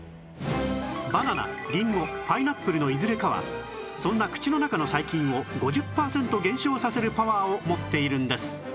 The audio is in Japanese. バナナりんごパイナップルのいずれかはそんな口の中の細菌を５０パーセント減少させるパワーを持っているんです